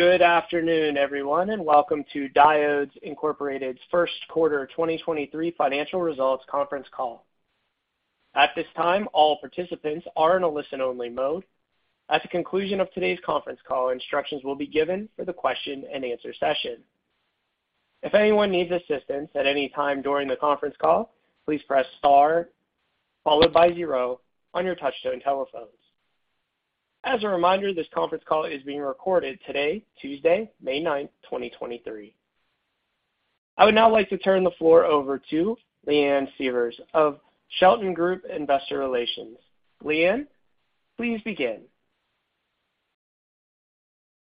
Good afternoon, everyone, welcome to Diodes Incorporated's first quarter 2023 financial results Conference Call. At this time, all participants are in a listen-only mode. At the conclusion of today's conference call, instructions will be given for the question-and-answer session. If anyone needs assistance at any time during the conference call, please press star followed by zero on your touch-tone telephones. As a reminder, this conference call is being recorded today, Tuesday, May 9th, 2023. I would now like to turn the floor over to Leanne Sievers of Shelton Group Investor Relations. Leanne, please begin.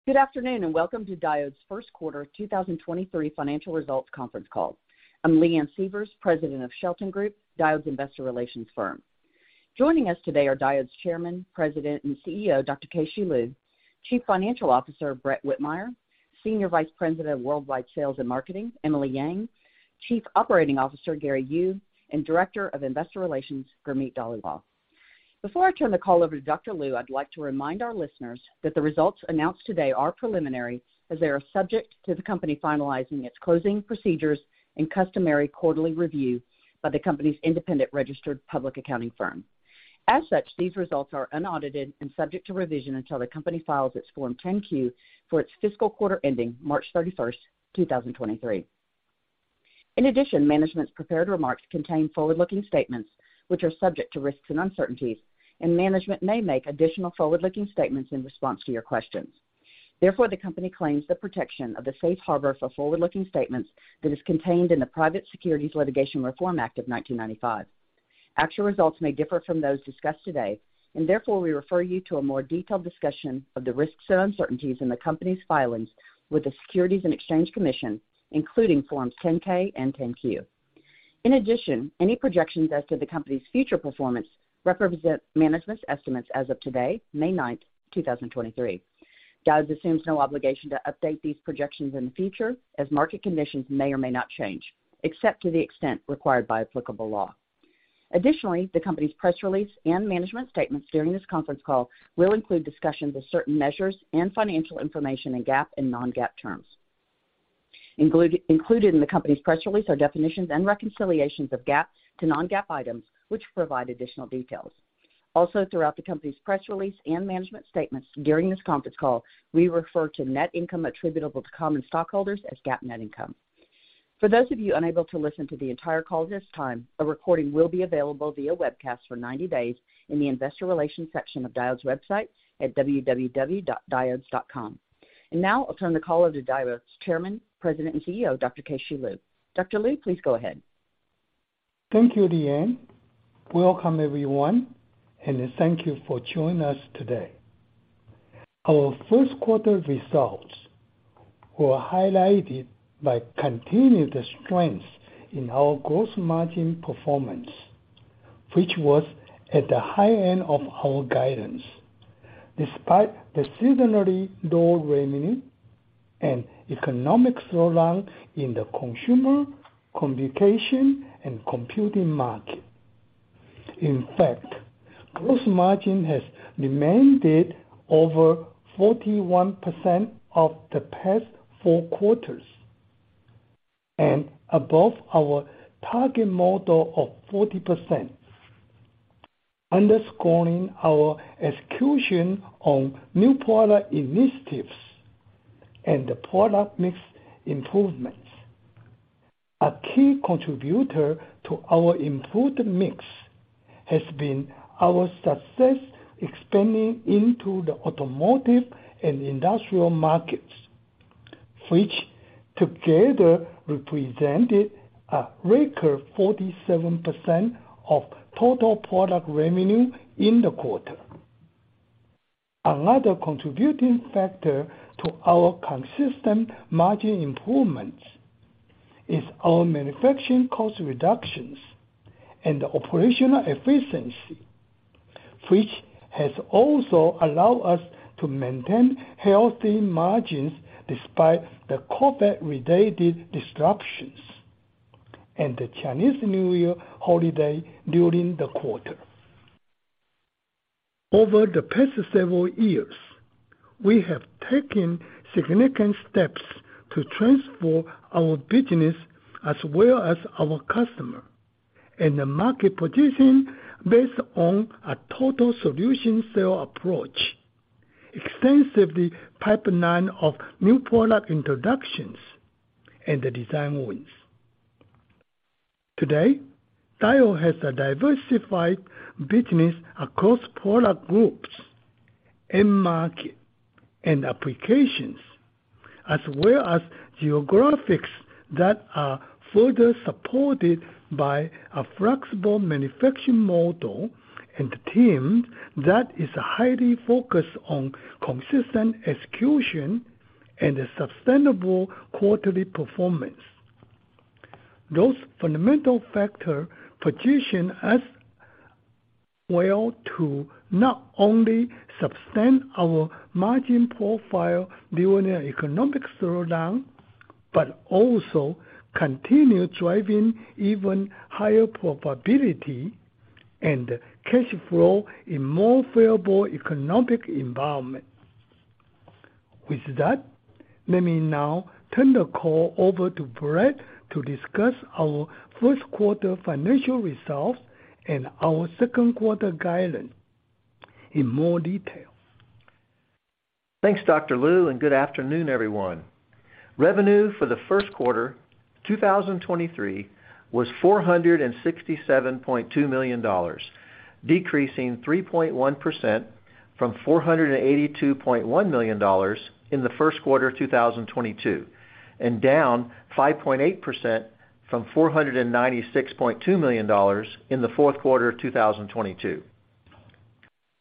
Good afternoon, and welcome to Diodes first quarter 2023 financial results conference call. I'm Leanne Sievers, President of Shelton Group, Diodes investor relations firm. Joining us today are Diodes Chairman, President, and CEO, Dr. Keh-Shew Lu, Chief Financial Officer, Brett Whitmire, Senior Vice President of Worldwide Sales and Marketing, Emily Yang, Chief Operating Officer, Gary Yu, and Director of Investor Relations, Gurmeet Dhaliwal. Before I turn the call over to Dr. Lu, I'd like to remind our listeners that the results announced today are preliminary as they are subject to the company finalizing its closing procedures and customary quarterly review by the company's independent registered public accounting firm. As such, these results are unaudited and subject to revision until the company files its Form 10-Q for its fiscal quarter ending March 31st, 2023. In addition, management's prepared remarks contain forward-looking statements which are subject to risks and uncertainties. Management may make additional forward-looking statements in response to your questions. Therefore, the company claims the protection of the safe harbor for forward-looking statements that is contained in the Private Securities Litigation Reform Act of 1995. Actual results may differ from those discussed today. Therefore, we refer you to a more detailed discussion of the risks and uncertainties in the company's filings with the Securities and Exchange Commission, including Forms 10-K and 10-Q. In addition, any projections as to the company's future performance represent management's estimates as of today, May 9, 2023. Diodes assumes no obligation to update these projections in the future as market conditions may or may not change, except to the extent required by applicable law. Additionally, the company's press release and management statements during this conference call will include discussions of certain measures and financial information in GAAP and Non-GAAP terms. Included in the company's press release are definitions and reconciliations of GAAP to Non-GAAP items, which provide additional details. Throughout the company's press release and management statements during this conference call, we refer to net income attributable to common stockholders as GAAP net income. For those of you unable to listen to the entire call this time, a recording will be available via webcast for 90 days in the investor relations section of Diodes' website at www.diodes.com. Now, I'll turn the call over to Diodes Chairman, President, and CEO, Dr. Keh-Shew Lu. Dr. Lu, please go ahead. Thank you, Leanne. Welcome, everyone, and thank you for joining us today. Our first quarter results were highlighted by continued strength in our gross margin performance, which was at the high end of our guidance despite the seasonally low revenue and economic slowdown in the consumer, communication, and computing market. In fact, gross margin has remained over 41% of the past four quarters and above our target model of 40%, underscoring our execution on new product initiatives and the product mix improvements. A key contributor to our improved mix has been our success expanding into the automotive and industrial markets, which together represented a record 47% of total product revenue in the quarter. Another contributing factor to our consistent margin improvements is our manufacturing cost reductions and operational efficiency, which has also allowed us to maintain healthy margins despite the COVID-related disruptions and the Chinese New Year holiday during the quarter. Over the past several years, we have taken significant steps to transform our business as well as our customer and the market position based on a total solution sale approach, extensively pipeline of new product introductions and the design wins. Today, Diodes has a diversified business across product groups, end market, and applications, as well as geographics that are further supported by a flexible manufacturing model and team that is highly focused on consistent execution and a sustainable quarterly performance. Those fundamental factor position us well to not only sustain our margin profile during an economic slowdown, but also continue driving even higher profitability and cash flow in more favorable economic environment. With that, let me now turn the call over to Brett to discuss our first quarter financial results and our second quarter guidance in more detail. Thanks, Dr. Lu, and good afternoon, everyone. Revenue for the first quarter 2023 was $467.2 million, decreasing 3.1% from $482.1 million in the first quarter of 2022, and down 5.8% from $496.2 million in the fourth quarter of 2022.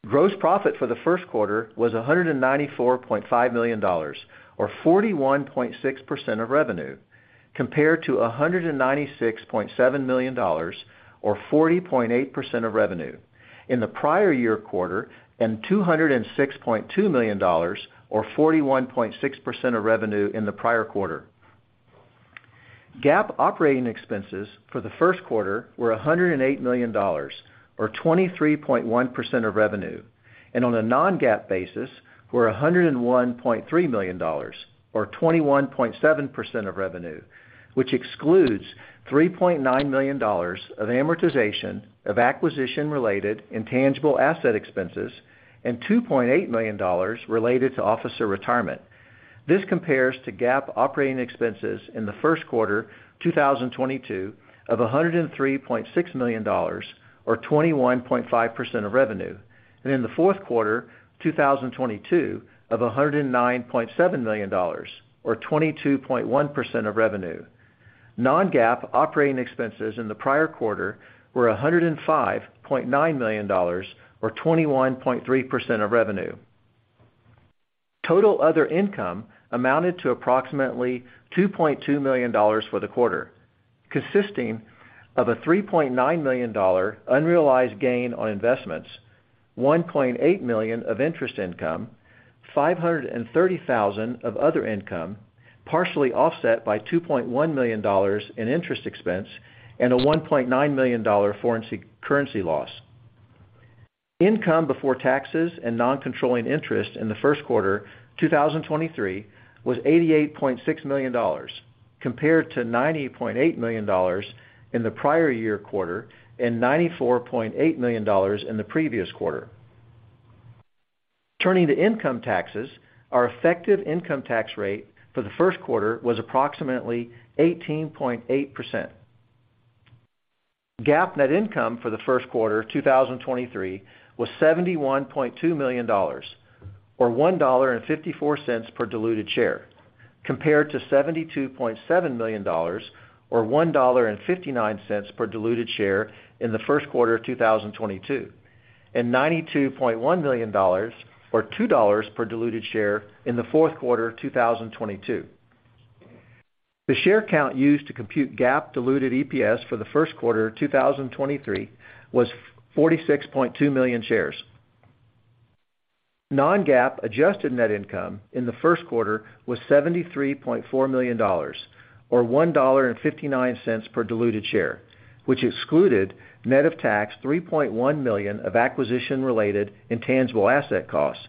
Gross profit for the first quarter was $194.5 million or 41.6% of revenue, compared to $196.7 million or 40.8% of revenue in the prior year quarter, and $206.2 million or 41.6% of revenue in the prior quarter. GAAP operating expenses for the first quarter were $108 million or 23.1% of revenue, and on a Non-GAAP basis were $101.3 million or 21.7% of revenue, which excludes $3.9 million of amortization of acquisition-related intangible asset expenses and $2.8 million related to officer retirement. This compares to GAAP operating expenses in the first quarter 2022 of $103.6 million or 21.5% of revenue, and in the fourth quarter of 2022 of $109.7 million or 22.1% of revenue. Non-GAAP operating expenses in the prior quarter were $105.9 million or 21.3% of revenue. Total other income amounted to approximately $2.2 million for the quarter, consisting of a $3.9 million unrealized gain on investments, $1.8 million of interest income, $530,000 of other income, partially offset by $2.1 million in interest expense and a $1.9 million foreign currency loss. Income before taxes and non-controlling interest in the first quarter 2023 was $88.6 million compared to $90.8 million in the prior year quarter and $94.8 million in the previous quarter. Turning to income taxes, our effective income tax rate for the first quarter was approximately 18.8%. GAAP net income for the first quarter of 2023 was $71.2 million or $1.54 per diluted share, compared to $72.7 million or $1.59 per diluted share in the first quarter of 2022, and $92.1 million or $2.00 per diluted share in the fourth quarter of 2022. The share count used to compute GAAP diluted EPS for the first quarter of 2023 was 46.2 million shares. Non-GAAP adjusted net income in the first quarter was $73.4 million or $1.59 per diluted share, which excluded net of tax $3.1 million of acquisition-related intangible asset costs,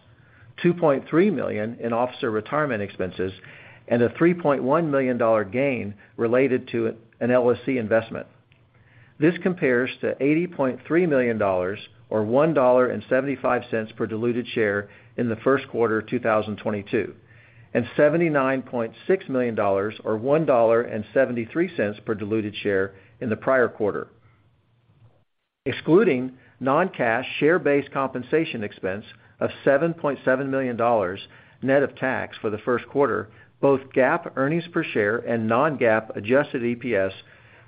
$2.3 million in officer retirement expenses, and a $3.1 million gain related to an LSC investment. This compares to $80.3 million or $1.75 per diluted share in the first quarter of 2022, and $79.6 million or $1.73 per diluted share in the prior quarter. Excluding non-cash share-based compensation expense of $7.7 million net of tax for the first quarter, both GAAP earnings per share and Non-GAAP adjusted EPS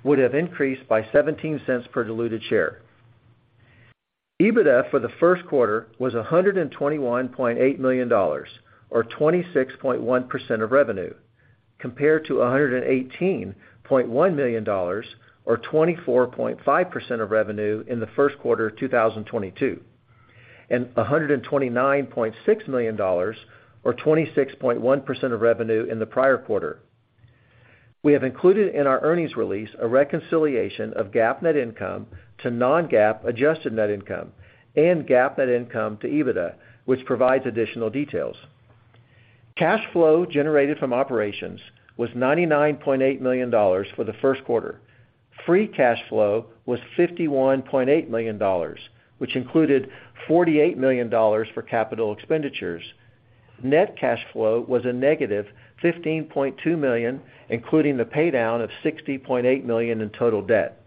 would have increased by $0.17 per diluted share. EBITDA for the first quarter was $121.8 million or 26.1% of revenue, compared to $118.1 million or 24.5% of revenue in the first quarter of 2022, and $129.6 million or 26.1% of revenue in the prior quarter. We have included in our earnings release a reconciliation of GAAP net income to Non-GAAP adjusted net income and GAAP net income to EBITDA, which provides additional details. Cash flow generated from operations was $99.8 million for the first quarter. Free cash flow was $51.8 million, which included $48 million for capital expenditures. Net cash flow was a negative $15.2 million, including the paydown of $60.8 million in total debt.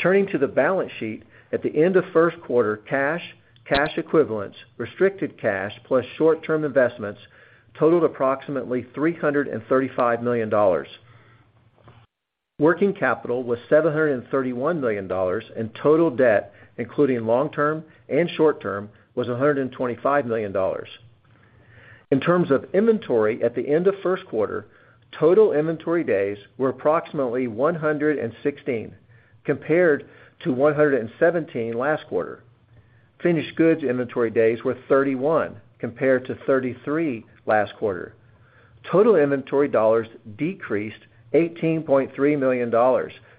Turning to the balance sheet, at the end of first quarter, cash equivalents, restricted cash, plus short-term investments totaled approximately $335 million. Working capital was $731 million. Total debt, including long-term and short-term, was $125 million. In terms of inventory at the end of first quarter, total inventory days were approximately 116, compared to 117 last quarter. Finished goods inventory days were 31 compared to 33 last quarter. Total inventory dollars decreased $18.3 million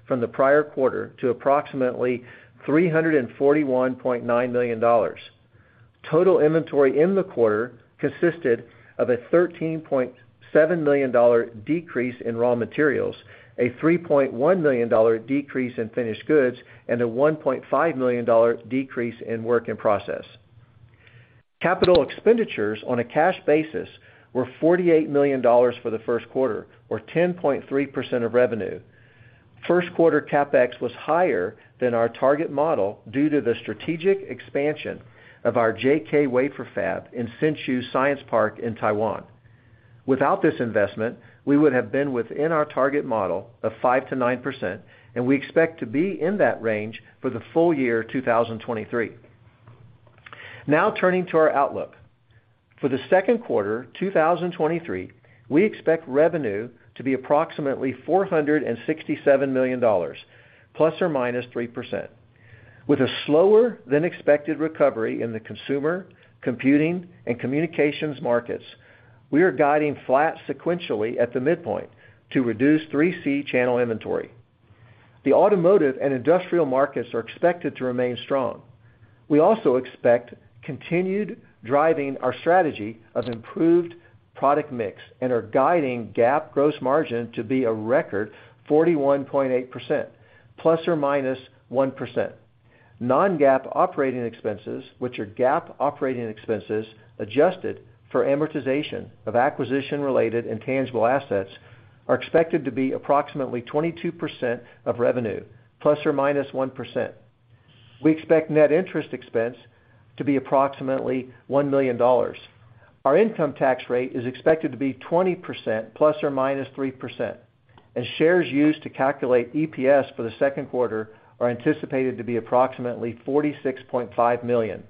from the prior quarter to approximately $341.9 million. Total inventory in the quarter consisted of a $13.7 million decrease in raw materials, a $3.1 million decrease in finished goods, and a $1.5 million decrease in work in process. CapEx on a cash basis were $48 million for the first quarter or 10.3% of revenue. First quarter CapEx was higher than our target model due to the strategic expansion of our JK wafer fab in Hsinchu Science Park in Taiwan. Without this investment, we would have been within our target model of 5%-9%. We expect to be in that range for the full year 2023. Turning to our outlook. For the second quarter 2023, we expect revenue to be approximately $467 million, ±3%. With a slower than expected recovery in the consumer, computing, and communications markets, we are guiding flat sequentially at the midpoint to reduce 3C channel inventory. The automotive and industrial markets are expected to remain strong. We also expect continued driving our strategy of improved product mix and are guiding GAAP gross margin to be a record 41.8%, ±1%. Non-GAAP operating expenses, which are GAAP operating expenses adjusted for amortization of acquisition-related intangible assets, are expected to be approximately 22% of revenue, ±1%. We expect net interest expense to be approximately $1 million. Our income tax rate is expected to be 20%, ±3%, and shares used to calculate EPS for the second quarter are anticipated to be approximately 46.5 million.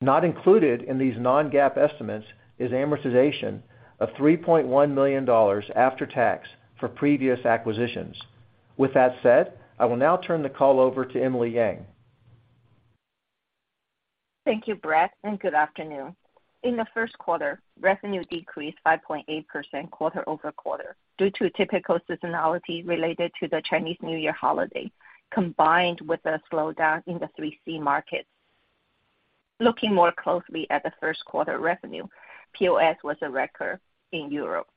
Not included in these Non-GAAP estimates is amortization of $3.1 million after tax for previous acquisitions. With that said, I will now turn the call over to Emily Yang. Thank you, Brett. Good afternoon. In the first quarter, revenue decreased 5.8% quarter-over-quarter due to typical seasonality related to the Chinese New Year holiday, combined with a slowdown in the 3C markets. Looking more closely at the first quarter revenue, POS was a record in Europe.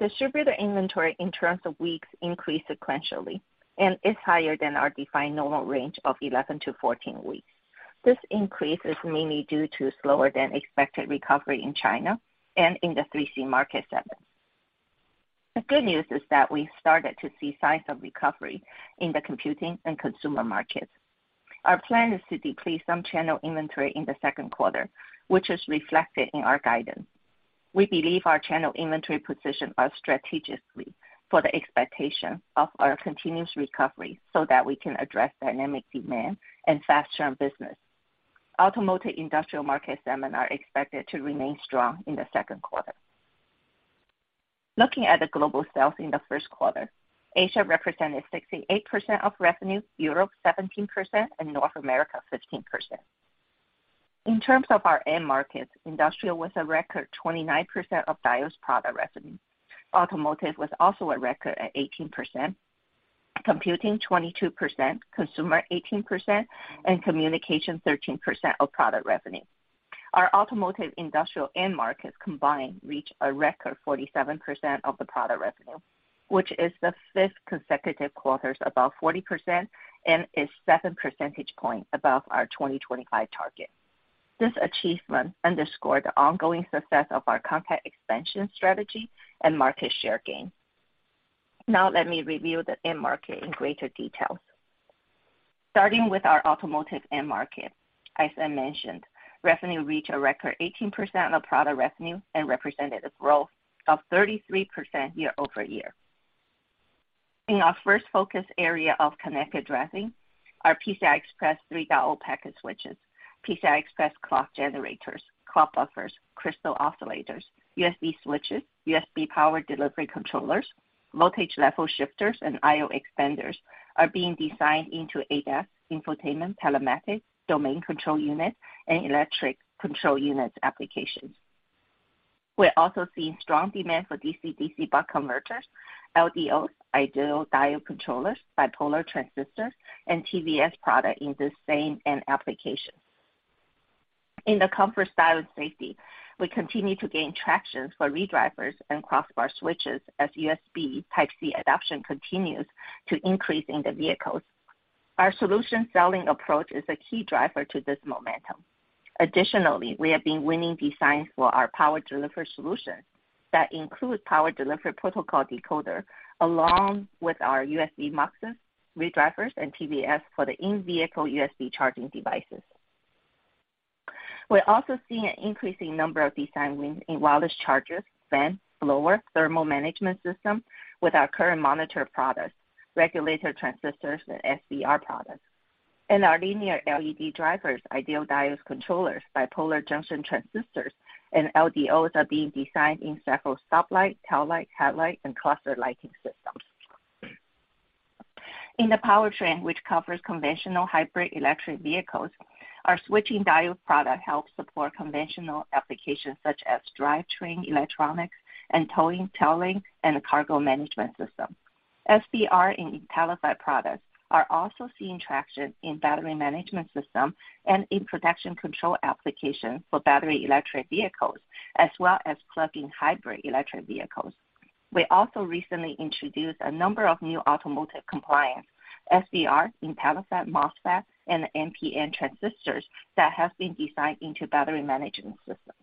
Distributor inventory in terms of weeks increased sequentially and is higher than our defined normal range of 11-14 weeks. This increase is mainly due to slower than expected recovery in China and in the 3C market segment. The good news is that we started to see signs of recovery in the computing and consumer markets. Our plan is to decrease some channel inventory in the second quarter, which is reflected in our guidance. We believe our channel inventory position are strategically for the expectation of our continuous recovery so that we can address dynamic demand and faster on business. Automotive industrial market segment are expected to remain strong in the second quarter. Looking at the global sales in the first quarter, Asia represented 68% of revenue, Europe 17%, and North America 15%. In terms of our end markets, industrial was a record 29% of DIO's product revenue. Automotive was also a record at 18%, computing 22%, consumer 18%, and communication 13% of product revenue. Our automotive industrial end markets combined reach a record 47% of the product revenue, which is the fifth consecutive quarters above 40% and is seven percentage points above our 2025 target. This achievement underscore the ongoing success of our content expansion strategy and market share gain. Let me review the end market in greater details. Starting with our automotive end market, as I mentioned, revenue reached a record 18% of product revenue and represented a growth of 33% year-over-year. In our first focus area of connected driving, our PCI Express 3.0 packet switches, PCI Express clock generators, clock buffers, crystal oscillators, USB switches, USB power delivery controllers, voltage level shifters, and I/O expanders are being designed into ADAS, infotainment, telematics, domain control units, and electric control units applications. We're also seeing strong demand for DC-DC buck converters, LDOs, ideal diode controllers, bipolar transistors, and TVS product in the same end applications. In the comfort, style, and safety, we continue to gain traction for ReDrivers and crossbar switches as USB Type-C adoption continues to increase in the vehicles. Our solution selling approach is a key driver to this momentum. Additionally, we have been winning designs for our power delivery solution that include power delivery protocol decoder, along with our USB muxes, ReDrivers, and TVS for the in-vehicle USB charging devices. We're also seeing an increasing number of design wins in wireless chargers, fans, blower, thermal management system with our current monitor products, regulator transistors, and SCR products. Our linear LED drivers, ideal diodes controllers, bipolar junction transistors, and LDOs are being designed in several stoplight, tail light, headlight, and cluster lighting systems. In the powertrain, which covers conventional hybrid electric vehicles, our switching diode product helps support conventional applications such as drivetrain electronics and towing, tailing, and cargo management system. SBR IntelliFET products are also seeing traction in battery management system and in production control applications for battery electric vehicles, as well as plug-in hybrid electric vehicles. We also recently introduced a number of new automotive compliance, SBR IntelliFET MOSFETs and NPN transistors that have been designed into battery management systems.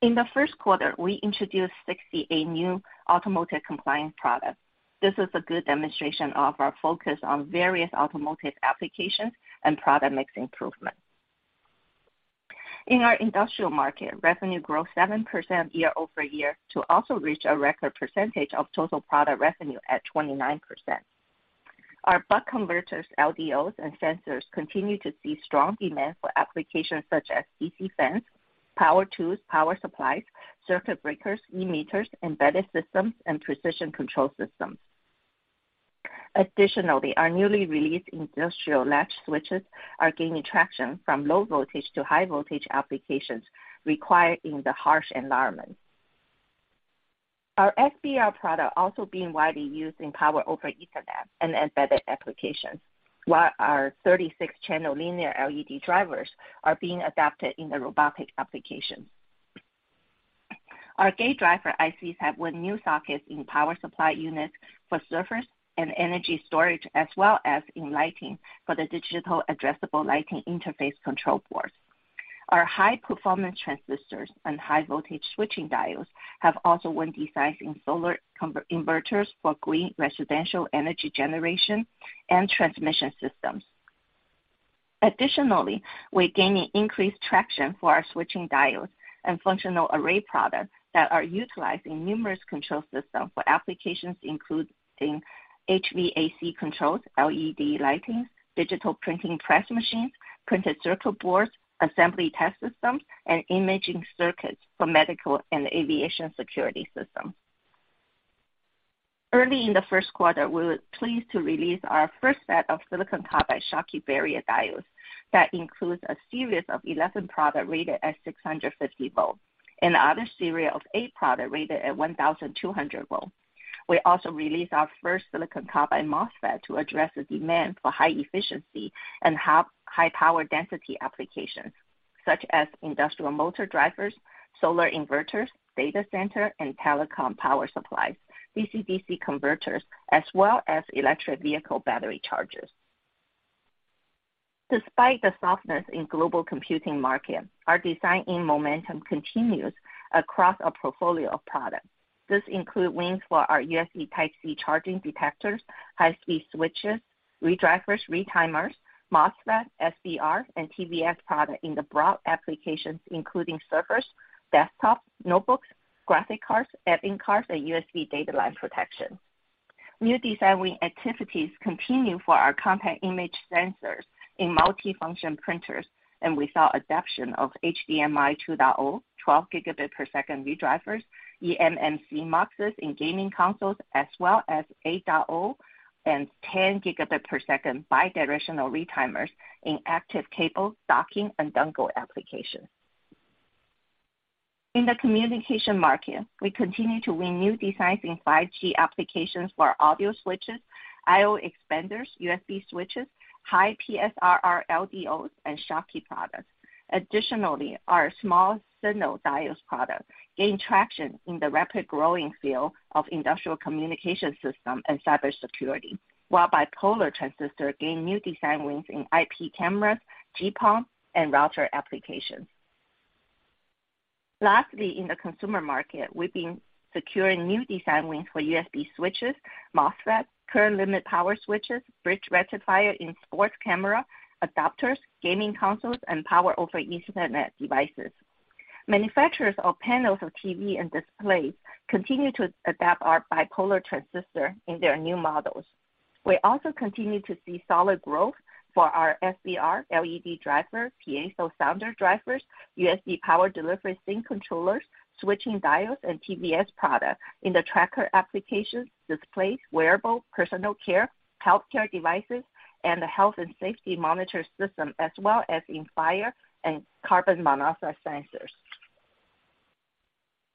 In the first quarter, we introduced 68 new automotive compliance products. This is a good demonstration of our focus on various automotive applications and product mix improvement. In our industrial market, revenue grew 7% year-over-year to also reach a record percentage of total product revenue at 29%. Our buck converters, LDOs, and sensors continue to see strong demand for applications such as DC fans, power tools, power supplies, circuit breakers, e-meters, embedded systems, and precision control systems. Our newly released industrial latch switches are gaining traction from low voltage to high voltage applications required in the harsh environments. Our SBR product also being widely used in Power over Ethernet and embedded applications, while our 36 channel linear LED drivers are being adapted in the robotic applications. Our gate driver ICs have won new sockets in power supply units for servers and energy storage, as well as in lighting for the Digital Addressable Lighting Interface control boards. Our high-performance transistors and high voltage switching diodes have also won designs in solar inverters for green residential energy generation and transmission systems. Additionally, we are gaining increased traction for our switching diodes and functional array products that are utilized in numerous control systems for applications, including HVAC controls, LED lighting, digital printing press machines, printed circuit boards, assembly test systems, and imaging circuits for medical and aviation security systems. Early in the first quarter, we were pleased to release our first set of silicon carbide Schottky barrier diodes that includes a series of 11 product rated at 650 volts and other series of eight product rated at 1,200 volts. We also released our first silicon carbide MOSFET to address the demand for high efficiency and high power density applications such as industrial motor drivers, solar inverters, data center, and telecom power supplies, DC-DC converters, as well as electric vehicle battery chargers. Despite the softness in global computing market, our design-in momentum continues across our portfolio of products. This include wins for our USB Type-C charging detectors, high-speed switches, ReDrivers, ReTimers, MOSFET, SBR, and TVS product in the broad applications including servers, desktops, notebooks, graphic cards, add-in cards, and USB data line protection. New designing activities continue for our contact image sensors in multifunction printers. We saw adoption of HDMI 2.0, 12 Gbps ReDrivers, eMMC muxes in gaming consoles, as well as 8.0 and 10 Gbps bidirectional ReTimers in active cable docking and dongle applications. In the communication market, we continue to win new designs in 5G applications for audio switches, I/O expanders, USB switches, high PSRR LDOs, and Schottky products. Additionally, our small signal Diodes products gain traction in the rapid growing field of industrial communication system and cybersecurity. While bipolar transistor gain new design wins in IP cameras, GPON, and router applications. Lastly, in the consumer market, we've been securing new design wins for USB switches, MOSFETs, current limit power switches, bridge rectifier in sports camera, adapters, gaming consoles, and Power over Ethernet devices. Manufacturers of panels of TV and displays continue to adapt our bipolar transistor in their new models. We also continue to see solid growth for our SBR, LED drivers, piezo sounder drivers, USB Power Delivery sink controllers, switching diodes, and TVS products in the tracker applications, displays, wearable, personal care, healthcare devices, and the health and safety monitor system, as well as in fire and carbon monoxide sensors.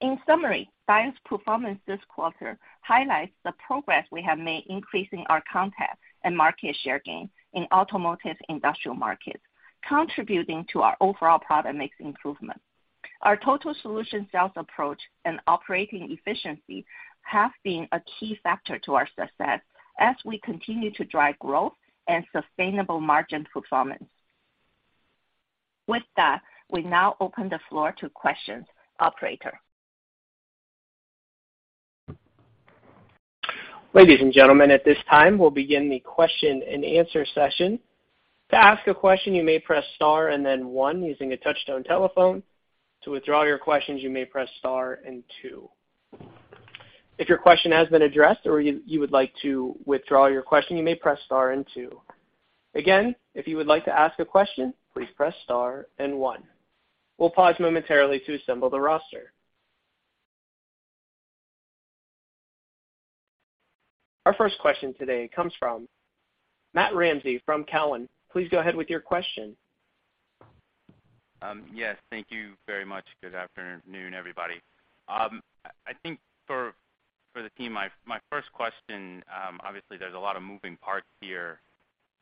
In summary, Diodes performance this quarter highlights the progress we have made increasing our content and market share gains in automotive industrial markets, contributing to our overall product mix improvement. Our total solution sales approach and operating efficiency have been a key factor to our success as we continue to drive growth and sustainable margin performance. With that, we now open the floor to questions. Operator? Ladies and gentlemen, at this time, we'll begin the question-and-answer session. To ask a question, you may press star and then one using a touch-tone telephone. To withdraw your questions, you may press star and two. If your question has been addressed or you would like to withdraw your question, you may press star and two. Again, if you would like to ask a question, please press star and one. We'll pause momentarily to assemble the roster. Our first question today comes from Matt Ramsay from Cowen. Please go ahead with your question. Yes, thank you very much. Good afternoon, everybody. I think for the team, my first question, obviously there's a lot of moving parts here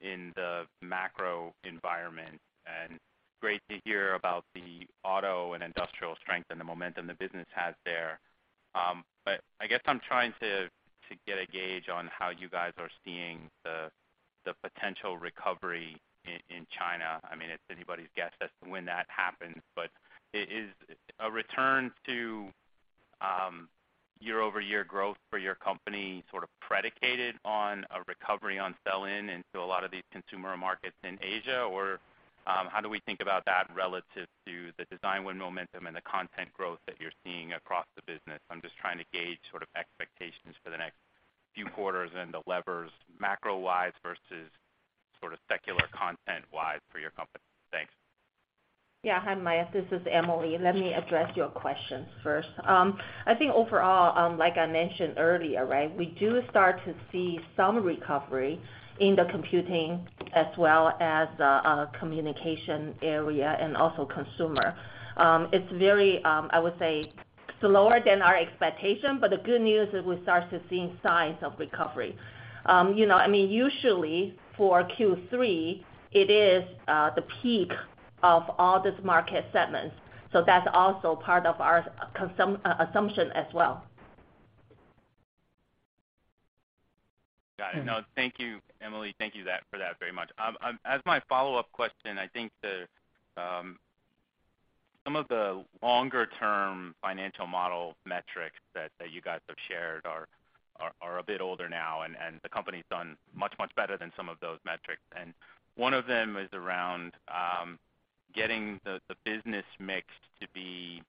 in the macro environment, and great to hear about the auto and industrial strength and the momentum the business has there. I guess I'm trying to get a gauge on how you guys are seeing the potential recovery in China. I mean, it's anybody's guess as to when that happens, but is a return to year-over-year growth for your company sort of predicated on a recovery on sell-in into a lot of these consumer markets in Asia? How do we think about that relative to the design win momentum and the content growth that you're seeing across the business? I'm just trying to gauge sort of expectations for the next few quarters and the levers macro-wise versus sort of secular content-wise for your company. Thanks. Yeah. Hi, Matt. This is Emily. Let me address your questions first. I think overall, like I mentioned earlier, right, we do start to see some recovery in the computing as well as communication area and also consumer. It's very, I would say, slower than our expectation, but the good news is we start to seeing signs of recovery. You know, I mean, usually for Q3, it is the peak of all these market segments, so that's also part of our assumption as well. Got it. No. Thank you, Emily. Thank you for that very much. As my follow-up question, I think the some of the longer term financial model metrics that you guys have shared are a bit older now, and the company's done much, much better than some of those metrics. One of them is around getting the business mix to be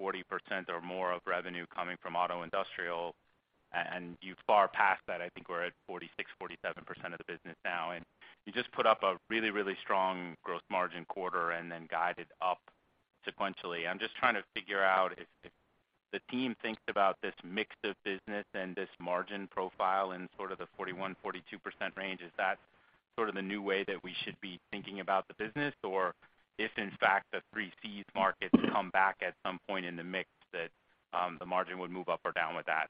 40% or more of revenue coming from auto industrial, and you've far passed that. I think we're at 46%, 47% of the business now. You just put up a really strong growth margin quarter and then guided up sequentially. I'm just trying to figure out if the team thinks about this mix of business and this margin profile in sort of the 41%-42% range, is that sort of the new way that we should be thinking about the business? If in fact the 3C markets come back at some point in the mix that the margin would move up or down with that.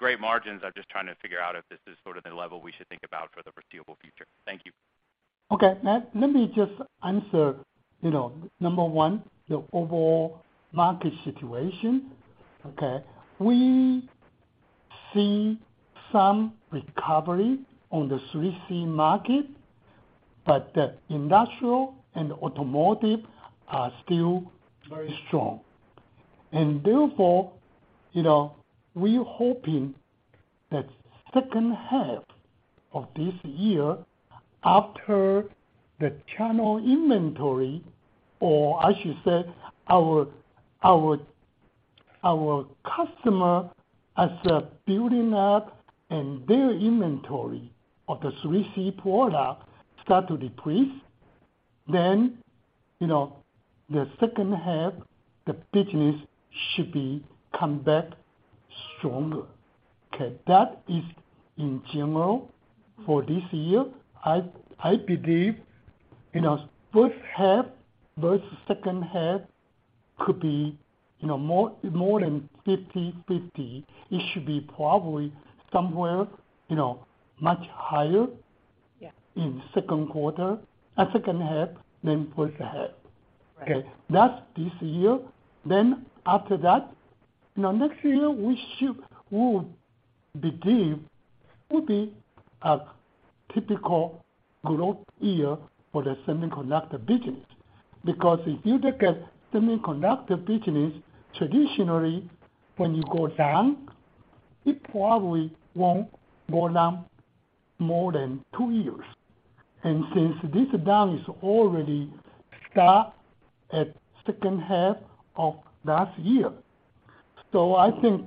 Great margins. I'm just trying to figure out if this is sort of the level we should think about for the foreseeable future. Thank you. Okay. Matt, let me just answer, you know, number one, the overall market situation, okay? We see some recovery on the 3C market, but the industrial and automotive are still very strong. Therefore, you know, we're hoping that second half of this year after the channel inventory, or I should say our customer as they're building up and their inventory of the 3C product start to decrease, then, you know, the second half, the business should be come back stronger. Okay. That is in general for this year. I believe, you know, first half versus second half could be, you know, more than 50-50. It should be probably somewhere, you know, much higher- Yeah. in second quarter or second half than first half. Right. Okay, that's this year. After that, you know, next year we believe will be a typical growth year for the semiconductor business. If you look at semiconductor business, traditionally when you go down, it probably won't go down more than two years. Since this down is already start at second half of last year. I think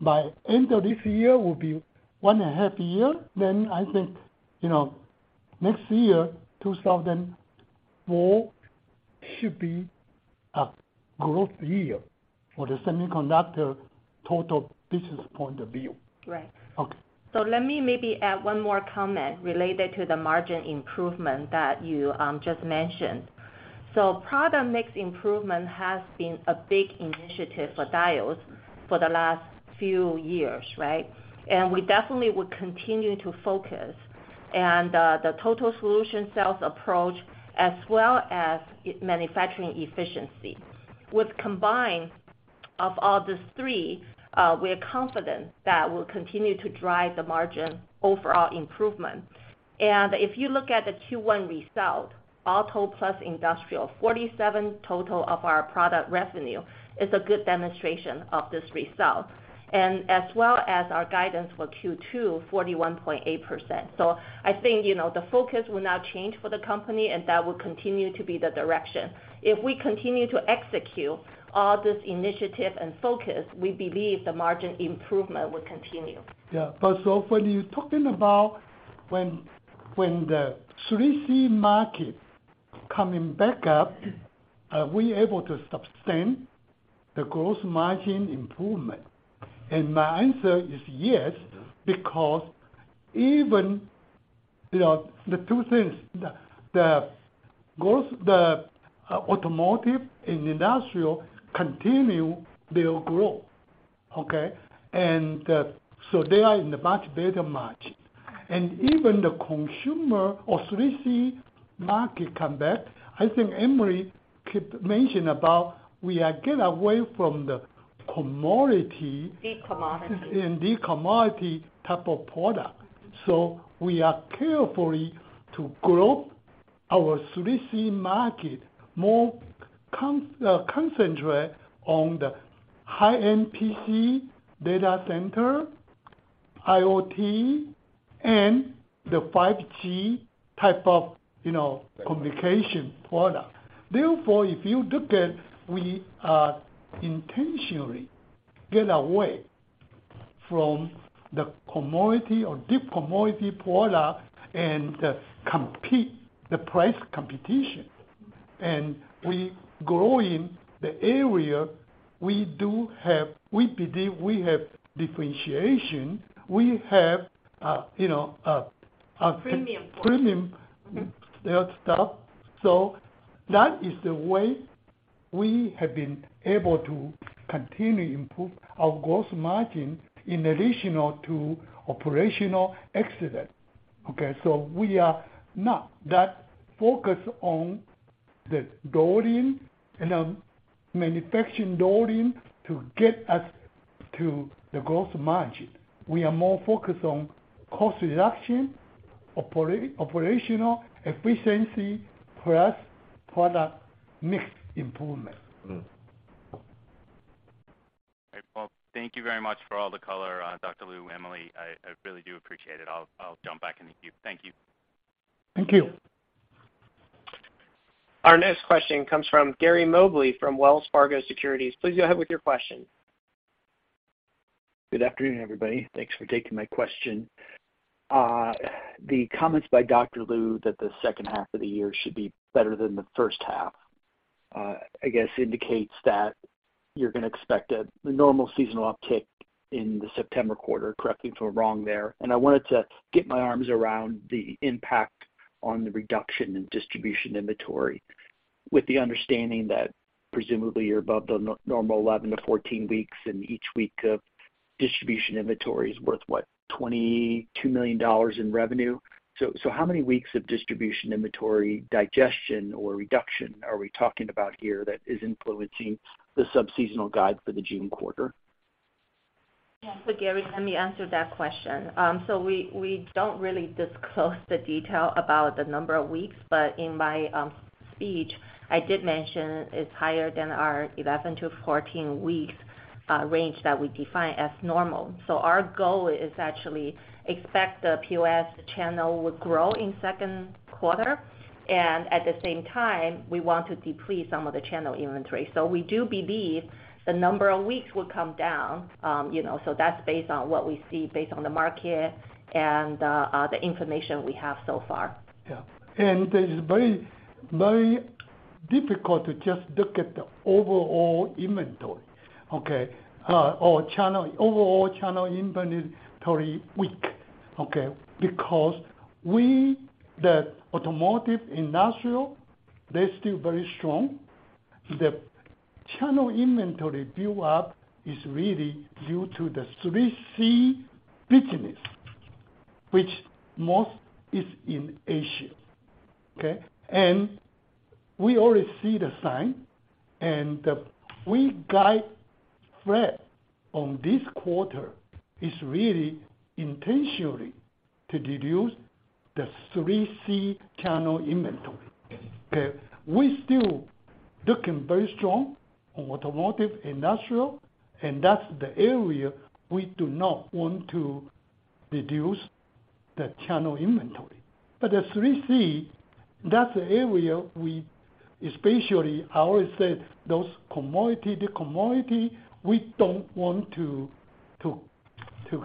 by end of this year will be one and a half year, then I think, you know, next year, 2004, should be a growth year for the semiconductor total business point of view. Right. Okay. Let me maybe add one more comment related to the margin improvement that you just mentioned. Product mix improvement has been a big initiative for Diodes for the last few years, right? We definitely would continue to focus. The total solution sales approach as well as manufacturing efficiency. With combined of all these three, we are confident that we'll continue to drive the margin overall improvement. If you look at the Q1 result, auto plus industrial, 47% total of our product revenue is a good demonstration of this result. As well as our guidance for Q2, 41.8%. I think, you know, the focus will not change for the company, and that will continue to be the direction. If we continue to execute all this initiative and focus, we believe the margin improvement will continue. Yeah. When you're talking about the 3C market coming back up, are we able to sustain the gross margin improvement? My answer is yes, because even, you know, the two things, the automotive and industrial continue their growth, okay? They are in a much better margin. Even the consumer or 3C market come back, I think Emily keep mention about we are get away from the commodity- De-commodity. De-commodity type of product. We are carefully to grow our 3C market, more concentrate on the high-end PC data center, IoT, and the 5G type of, you know, communication product. Therefore, if you look at, we are intentionally get away from the commodity or de-commodity product and compete the price competition. We grow in the area we believe we have differentiation. We have, you know. Premium product. Premium stuff. That is the way we have been able to continue improve our gross margin in addition to operational excellence, okay? We are not that focused on the rolling and manufacturing rolling to get us to the gross margin. We are more focused on cost reduction, operational efficiency, plus product mix improvement. Right. Well, thank you very much for all the color, Dr. Lu, Emily. I really do appreciate it. I'll jump back in the queue. Thank you. Thank you. Our next question comes from Gary Mobley from Wells Fargo Securities. Please go ahead with your question. Good afternoon, everybody. Thanks for taking my question. The comments by Dr. Lu that the second half of the year should be better than the first half, I guess indicates that you're gonna expect the normal seasonal uptick in the September quarter. Correct me if I'm wrong there. I wanted to get my arms around the impact on the reduction in distribution inventory, with the understanding that presumably you're above the normal 11-14 weeks, and each week of distribution inventory is worth what? $22 million in revenue. How many weeks of distribution inventory digestion or reduction are we talking about here that is influencing the sub-seasonal guide for the June quarter? Gary, let me answer that question. We don't really disclose the detail about the number of weeks, but in my speech, I did mention it's higher than our 11-14 weeks range that we define as normal. Our goal is actually expect the POS channel will grow in second quarter, and at the same time, we want to deplete some of the channel inventory. We do believe the number of weeks will come down, you know, that's based on what we see based on the market and the information we have so far. Yeah. It is very, very difficult to just look at the overall inventory, okay? Or channel, overall channel inventory week, okay? Because the automotive, industrial, they're still very strong. The channel inventory build-up is really due to the 3C business, which most is in Asia, okay? We already see the sign, and we guide flat on this quarter is really intentionally to reduce the 3C channel inventory, okay? We're still looking very strong on automotive, industrial, and that's the area we do not want to reduce the channel inventory. But the 3C, that's the area we especially, I always said those commodity, de-commodity, we don't want to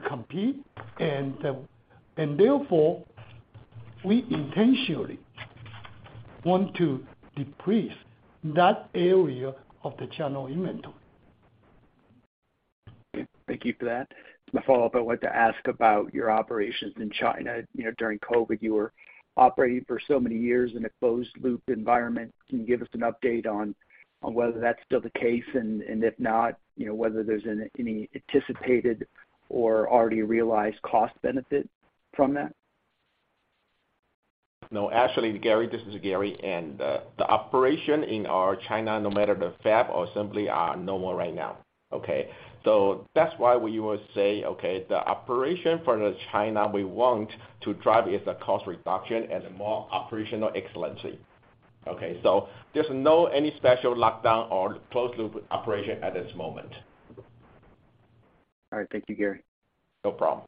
compete. Therefore, we intentionally want to decrease that area of the channel inventory. Okay. Thank you for that. As my follow-up, I wanted to ask about your operations in China. You know, during COVID, you were operating for so many years in a closed-loop environment. Can you give us an update on whether that's still the case? If not, you know, whether there's any anticipated or already realized cost benefit from that? No. Actually, Gary, this is Gary. The operation in our China, no matter the fab or assembly, are normal right now, okay? That's why we will say, okay, the operation for the China we want to drive is the cost reduction and more operational excellency, okay? There's no any special lockdown or closed loop operation at this moment. All right. Thank you, Gary. No problem.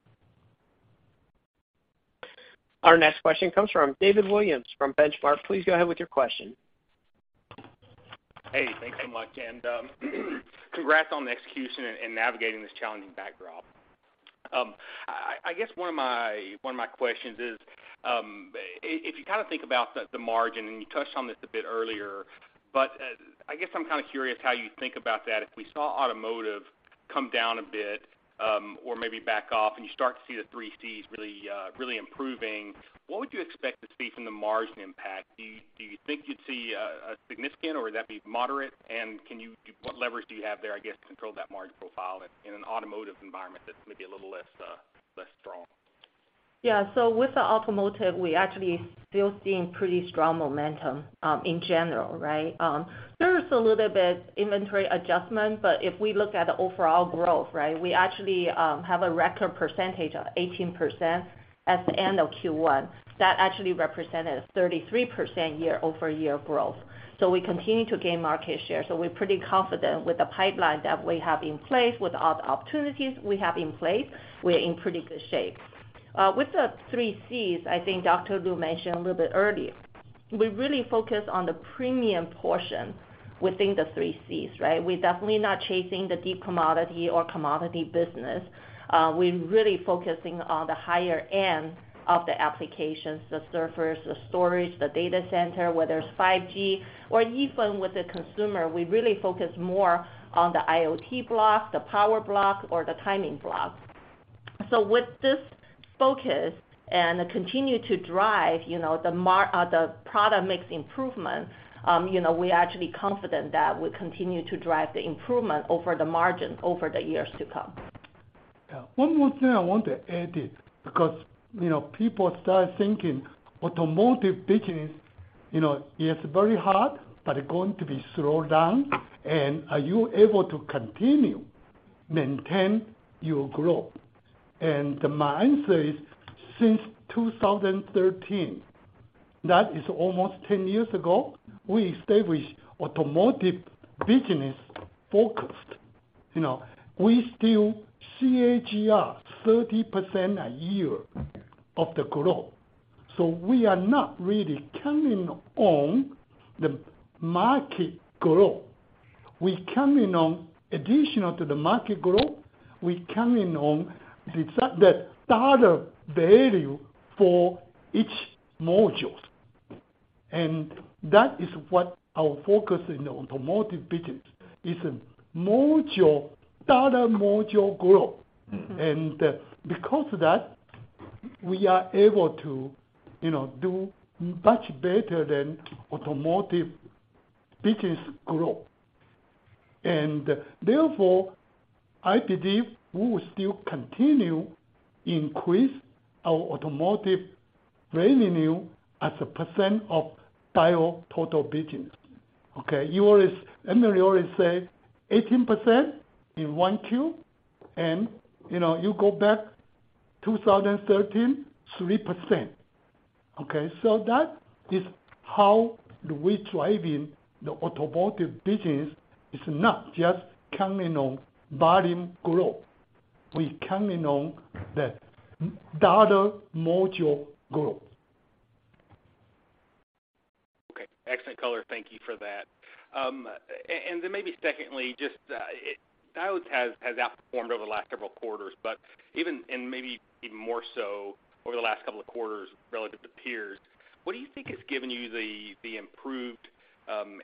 Our next question comes from David Williams from Benchmark. Please go ahead with your question. Hey, thanks so much. Congrats on the execution and navigating this challenging backdrop. I guess one of my questions is, if you kind of think about the margin, and you touched on this a bit earlier, but I guess I'm kind of curious how you think about that. If we saw automotive come down a bit, or maybe back off and you start to see the 3C really improving, what would you expect to see from the margin impact? Do you think you'd see a significant or would that be moderate? What leverage do you have there, I guess, to control that margin profile in an automotive environment that's maybe a little less strong? With the automotive, we actually still seeing pretty strong momentum, in general, right. There is a little bit inventory adjustment, if we look at the overall growth, right, we actually have a record percentage of 18% at the end of Q1. That actually represented a 33% year-over-year growth. We continue to gain market share. We're pretty confident with the pipeline that we have in place, with all the opportunities we have in place, we're in pretty good shape. With the three Cs, I think Dr. Lu mentioned a little bit earlier, we really focus on the premium portion within the three Cs, right. We're definitely not chasing the deep commodity or commodity business. We're really focusing on the higher end of the applications, the servers, the storage, the data center, whether it's 5G or even with the consumer. We really focus more on the IoT block, the power block or the timing block. With this focus and continue to drive, you know, the product mix improvement, you know, we're actually confident that we continue to drive the improvement over the margin over the years to come. Yeah. One more thing I want to add it because, you know, people start thinking automotive business, you know, it's very hard, but it's going to be slowed down. Are you able to continue maintain your growth? My answer is, since 2013, that is almost 10 years ago, we established automotive business focused. You know, we still CAGR 30% a year of the growth. We are not really counting on the market growth. We counting on additional to the market growth. We counting on the dollar value for each modules. That is what our focus in the automotive business is module, dollar module growth. Mm-hmm. Because of that, we are able to, you know, do much better than automotive business growth. Therefore, I believe we will still continue increase our automotive revenue as a % of Diodes total business. Okay. Emily always say 18% in 1Q, and, you know, you go back 2013, 3%. Okay? That is how we're driving the automotive business, is not just counting on volume growth. We're counting on the dollar module growth. Okay, excellent color. Thank you for that. Then maybe secondly, just, Diodes has outperformed over the last several quarters, and maybe even more so over the last couple of quarters relative to peers. What do you think has given you the improved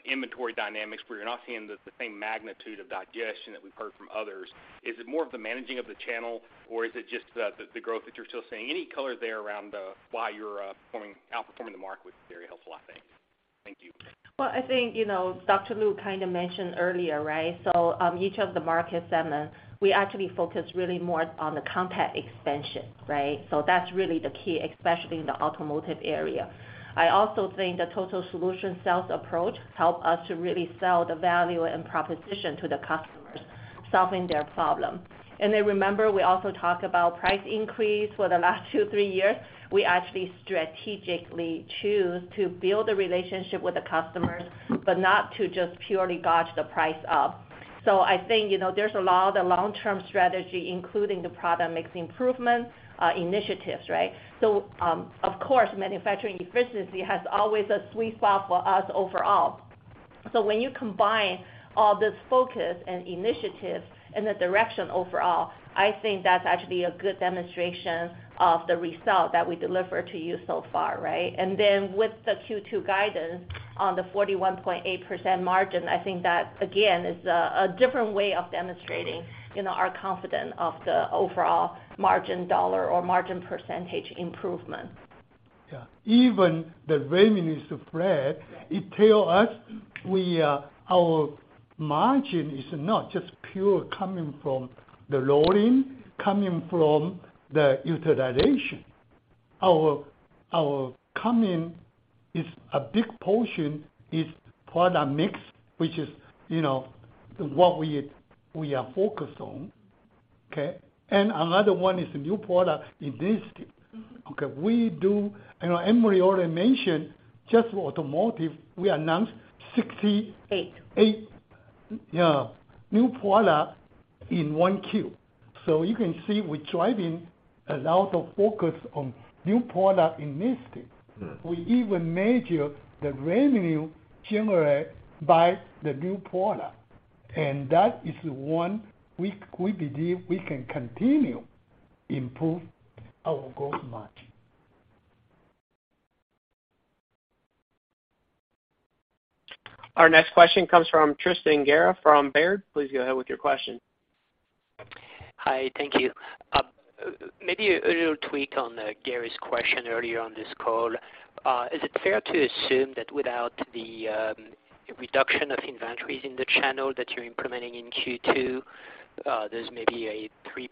inventory dynamics where you're not seeing the same magnitude of digestion that we've heard from others? Is it more of the managing of the channel, or is it just the growth that you're still seeing? Any color there around why you're outperforming the market would be very helpful, I think. Thank you. Well, I think, you know, Dr. Lu kind of mentioned earlier, right? Each of the markets, we actually focus really more on the content expansion, right? That's really the key, especially in the automotive area. I also think the total solution sales approach help us to really sell the value and proposition to the customers, solving their problem. Remember, we also talk about price increase for the last two, three years. We actually strategically choose to build a relationship with the customers, but not to just purely gauge the price up. I think, you know, there's a lot of long-term strategy, including the product mix improvements, initiatives, right? Of course, manufacturing efficiency has always a sweet spot for us overall. When you combine all this focus and initiative and the direction overall, I think that's actually a good demonstration of the result that we deliver to you so far, right? With the Q2 guidance on the 41.8% margin, I think that again is a different way of demonstrating, you know, our confident of the overall margin dollar or margin percentage improvement. Yeah. Even the revenue spread, it tell us we our margin is not just pure coming from the loading, coming from the utilization. Our coming is a big portion is product mix, which is, you know, what we are focused on. Okay. Another one is the new product initiative. Mm-hmm. Okay. You know, Emily already mentioned just for automotive, we announced sixty- Eight. Yeah, new product in one queue. You can see we're driving a lot of focus on new product in this state. Mm-hmm. We even measure the revenue generated by the new product, and that is the one we believe we can continue improve our gross margin. Our next question comes from Tristan Gerra from Baird. Please go ahead with your question. Hi. Thank you. Maybe a little tweak on Gary's question earlier on this call. Is it fair to assume that without the reduction of inventories in the channel that you're implementing in Q2, there's maybe a 3%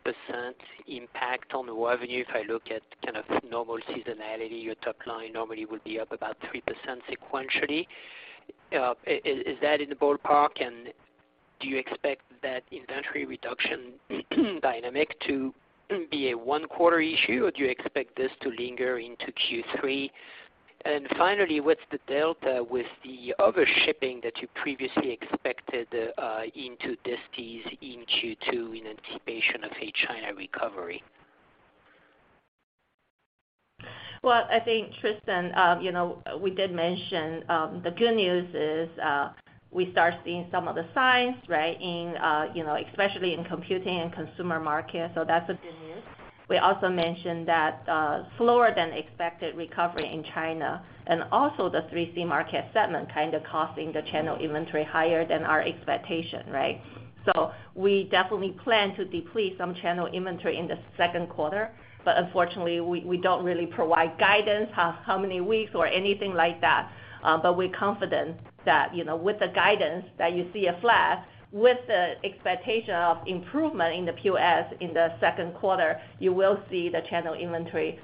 impact on the revenue if I look at kind of normal seasonality, your top line normally would be up about 3% sequentially? Is that in the ballpark, and do you expect that inventory reduction dynamic to be a one quarter issue, or do you expect this to linger into Q3? Finally, what's the delta with the other shipping that you previously expected into distis in Q2 in anticipation of a China recovery? Well, I think, Tristan, you know, we did mention, the good news is, we start seeing some of the signs, right, in, you know, especially in computing and consumer market. That's the good news. We also mentioned that, slower than expected recovery in China and also the 3C Market settlement kind of costing the channel inventory higher than our expectation, right? We definitely plan to deplete some channel inventory in the second quarter, but unfortunately we don't really provide guidance how many weeks or anything like that. We're confident that, you know, with the guidance that you see a flat, with the expectation of improvement in the POS in the second quarter, you will see the channel inventory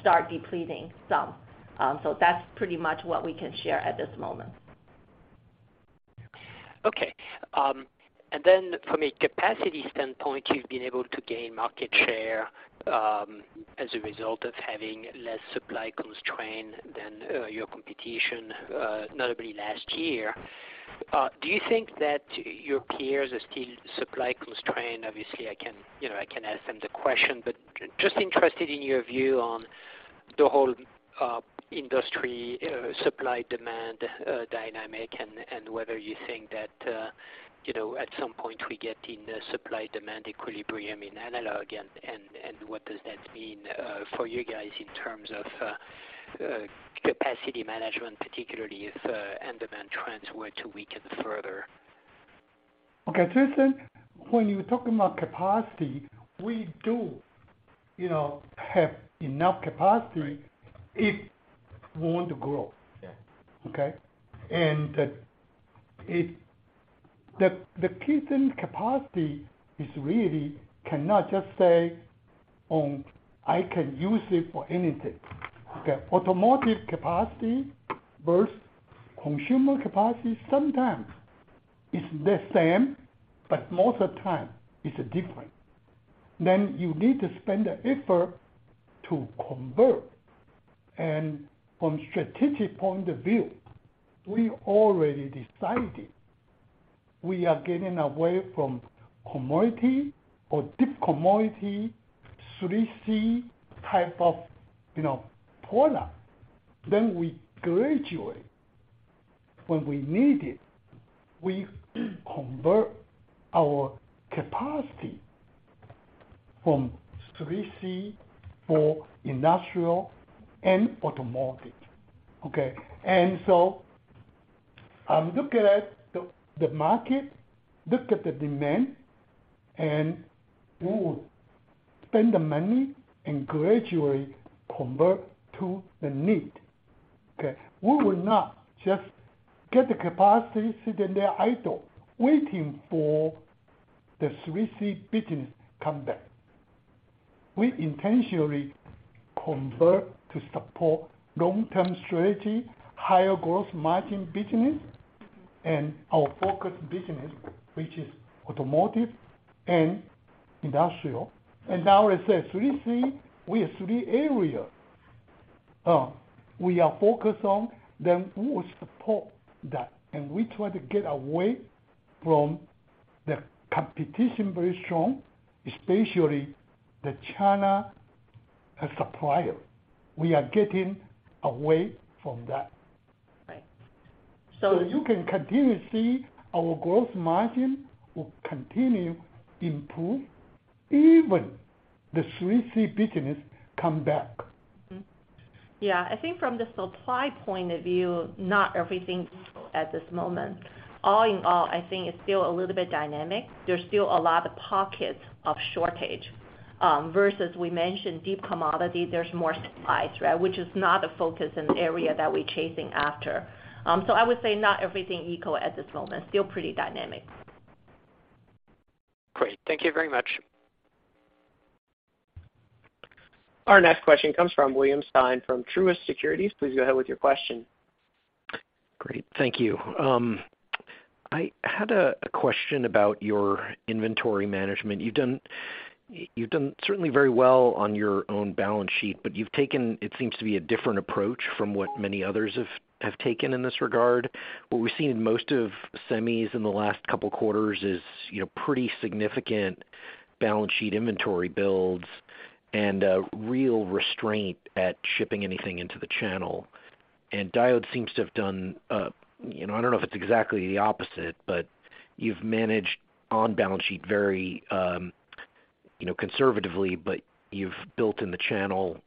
start depleting some. That's pretty much what we can share at this moment. From a capacity standpoint, you've been able to gain market share as a result of having less supply constraint than your competition, notably last year. Do you think that your peers are still supply constrained? Obviously, I can, you know, I can ask them the question, but just interested in your view on the whole industry supply demand dynamic and whether you think that, you know, at some point we get in the supply demand equilibrium in analog and what does that mean for you guys in terms of capacity management, particularly if end demand trends were to weaken further? Okay. Tristan, when you're talking about capacity, we do, you know, have enough capacity... Right. If we want to grow. Yeah. Okay? The key thing capacity is really cannot just say on I can use it for anything. Okay. Automotive capacity versus consumer capacity sometimes is the same, but most of the time it's different. You need to spend the effort to convert. From strategic point of view, we already decided we are getting away from commodity or deep commodity 3C type of, you know, product. We gradually, when we need it, we convert our capacity from 3C for industrial and automotive. Okay. I'm looking at the market, look at the demand, and we will spend the money and gradually convert to the need. Okay. We will not just get the capacity sitting there idle waiting for the 3C business come back. We intentionally convert to support long-term strategy, higher growth margin business, and our focus business, which is automotive and industrial. Now as a 3C, we have three areas we are focused on. We will support that. We try to get away from the competition very strong, especially the China supplier. We are getting away from that. Right. You can continue to see our gross margin will continue improve even the 3C business come back. I think from the supply point of view, not everything equal at this moment. All in all, I think it's still a little bit dynamic. There's still a lot of pockets of shortage, versus we mentioned deep commodity, there's more supplies, right? Which is not a focus in the area that we're chasing after. I would say not everything equal at this moment, still pretty dynamic. Great. Thank you very much. Our next question comes from William Stein from Truist Securities. Please go ahead with your question. Great. Thank you. I had a question about your inventory management. You've done certainly very well on your own balance sheet, but you've taken, it seems to be, a different approach from what many others have taken in this regard. What we've seen in most of semis in the last couple of quarters is, you know, pretty significant balance sheet inventory builds and real restraint at shipping anything into the channel. Diodes seems to have done, you know... I don't know if it's exactly the opposite, but you've managed on-balance sheet very, you know, conservatively, but you've built in the channel,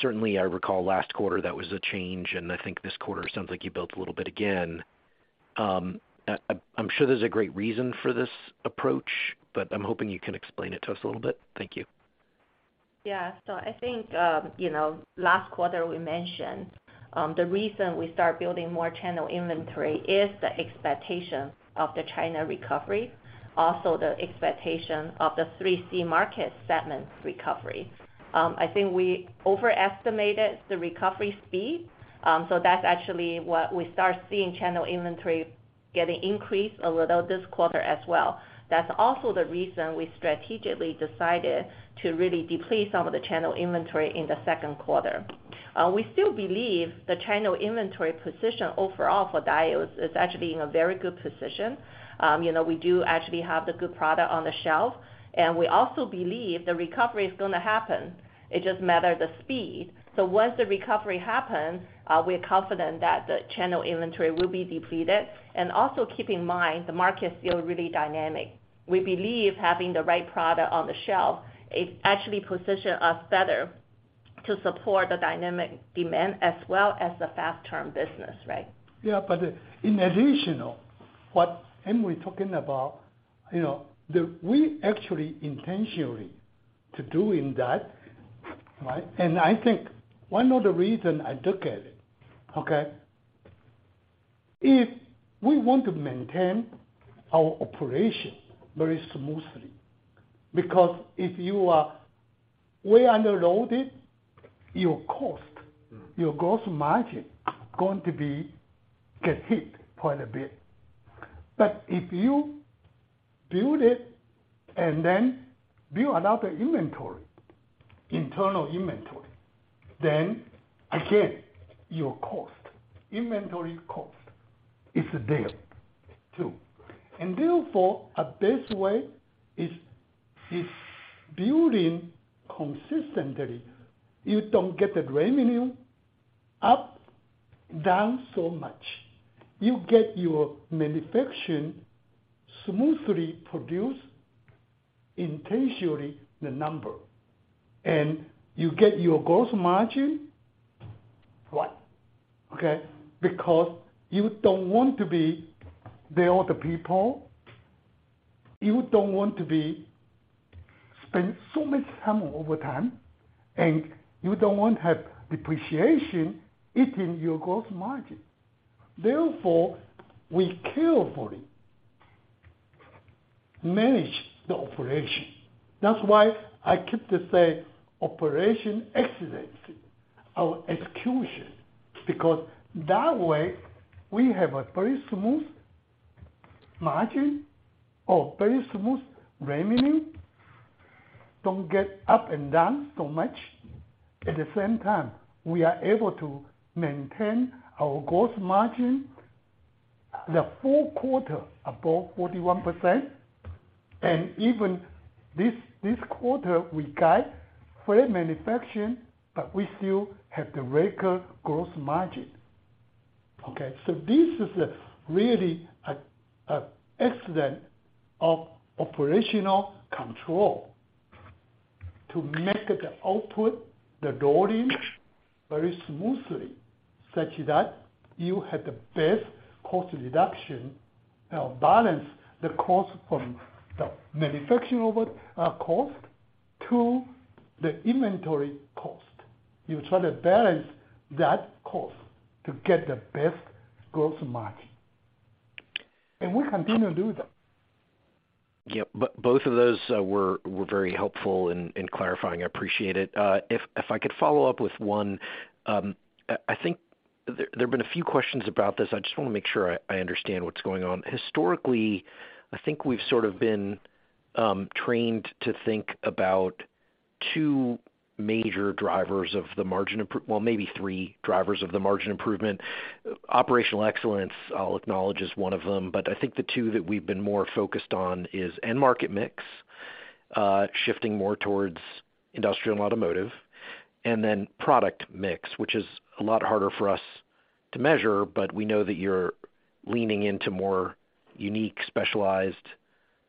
certainly I recall last quarter that was a change. I think this quarter sounds like you built a little bit again. I'm sure there's a great reason for this approach, but I'm hoping you can explain it to us a little bit. Thank you. Yeah. I think, you know, last quarter we mentioned, the reason we start building more channel inventory is the expectation of the China recovery, also the expectation of the 3C market segment recovery. I think we overestimated the recovery speed, that's actually what we start seeing channel inventory getting increased a little this quarter as well. That's also the reason we strategically decided to really deplete some of the channel inventory in the second quarter. We still believe the channel inventory position overall for Diodes is actually in a very good position. You know, we do actually have the good product on the shelf, and we also believe the recovery is gonna happen. It just matter the speed. Once the recovery happens, we're confident that the channel inventory will be depleted. Also keep in mind, the market is still really dynamic. We believe having the right product on the shelf, it actually position us better to support the dynamic demand as well as the fast term business, right? In additional, what Emily talking about, you know, we actually intentionally to doing that, right? I think one of the reason I look at it, okay, if we want to maintain our operation very smoothly, because if you are way underloaded, your cost, your gross margin going to be get hit quite a bit. If you build it and then build another inventory, internal inventory, then again, your cost, inventory cost is there too. Therefore, a best way is building consistently. You don't get the revenue up, down so much. You get your manufacturing smoothly produce intentionally the number, and you get your gross margin flat, okay? You don't want to be lay off the people, you don't want to be spend so much time over time, and you don't want to have depreciation eating your gross margin. Therefore, we carefully manage the operation. That's why I keep to say operation excellence, our execution, because that way we have a very smooth margin or very smooth revenue, don't get up and down so much. At the same time, we are able to maintain our gross margin, the full quarter above 41%. Even this quarter, we guide flat manufacturing, but we still have the record gross margin, okay? This is a really excellent of operational control to make the output, the loading very smoothly, such that you have the best cost reduction, balance the cost from the manufacturing over cost to the inventory cost. You try to balance that cost to get the best gross margin. We continue to do that. Yeah. Both of those were very helpful in clarifying. I appreciate it. If I could follow up with one. I think there have been a few questions about this. I just wanna make sure I understand what's going on. Historically, I think we've sort of been trained to think about two major drivers of the margin improvement. Well, maybe three drivers of the margin improvement. Operational excellence, I'll acknowledge, is one of them, but I think the two that we've been more focused on is end market mix, shifting more towards industrial and automotive, and then product mix, which is a lot harder for us to measure, but we know that you're leaning into more unique, specialized,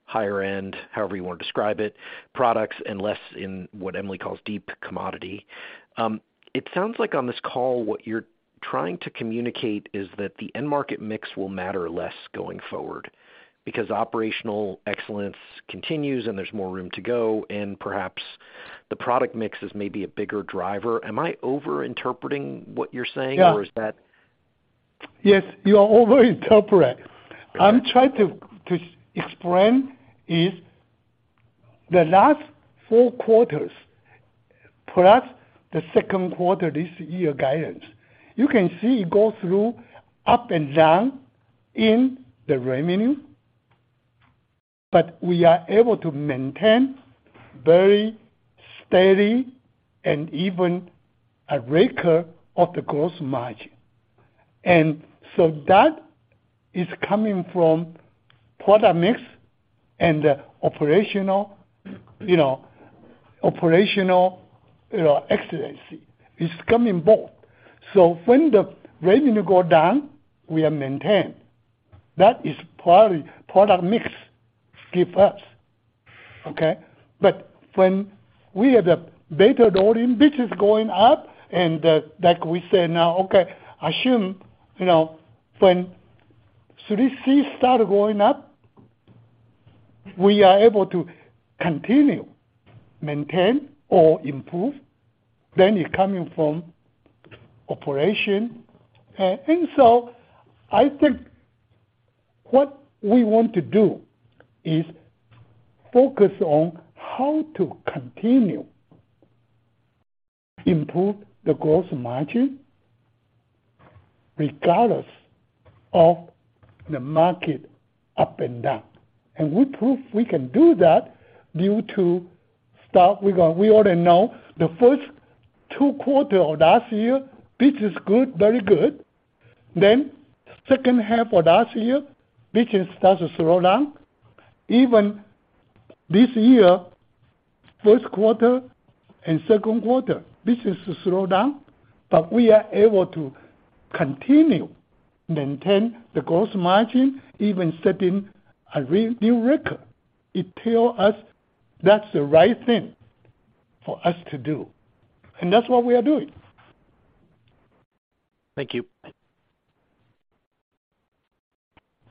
higher end, however you wanna describe it, products and less in what Emily calls deep commodity. It sounds like on this call, what you're trying to communicate is that the end market mix will matter less going forward because operational excellence continues and there's more room to go, and perhaps the product mix is maybe a bigger driver. Am I over-interpreting what you're saying? Yeah. is that- Yes, you are over-interpret. Okay. I'm trying to explain is the last four quarters. Plus the second quarter this year guidance. You can see it go through up and down in the revenue, but we are able to maintain very steady and even a record of the gross margin. That is coming from product mix and operational, you know, excellence. It's coming both. When the revenue go down, we are maintained. That is probably product mix give us. Okay. But when we have the better rolling business going up and, like we say now, okay, assume, you know, when 3C start going up, we are able to continue, maintain or improve, then it coming from operation. I think what we want to do is focus on how to continue improve the gross margin regardless of the market up and down. We prove we can do that due to start, we already know the first two quarter of last year, business good, very good. Second half of last year, business starts to slow down. Even this year, first quarter and second quarter, business slow down. We are able to continue maintain the gross margin, even setting a new record. It tell us that's the right thing for us to do, and that's what we are doing. Thank you.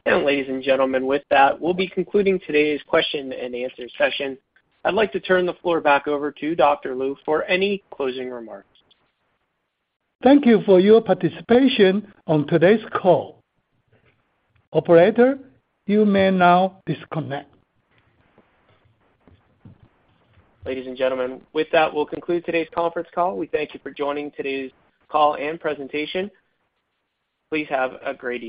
Ladies and gentlemen, with that, we'll be concluding today's question and answer session. I'd like to turn the floor back over to Dr. Lu for any closing remarks. Thank you for your participation on today's call. Operator, you may now disconnect. Ladies and gentlemen, with that, we'll conclude today's conference call. We thank you for joining today's call and presentation. Please have a great day.